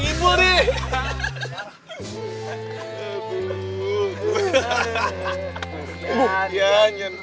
tidak kena sayang